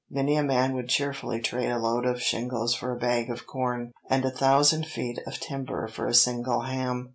Many a man would cheerfully trade a load of shingles for a bag of corn, and a thousand feet of timber for a single ham.